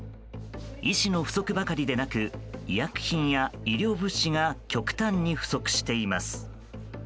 医師の不足ばかりでなく医薬品や医療物資が極端に不足しています。